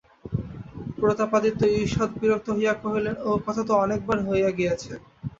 প্রতাপাদিত্য ঈষৎ বিরক্ত হইয়া কহিলেন, ও-কথা তো অনেকবার হইয়া গিয়াছে।